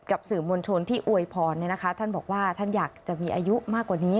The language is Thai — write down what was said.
กับสื่อมวลชนที่อวยพรท่านบอกว่าท่านอยากจะมีอายุมากกว่านี้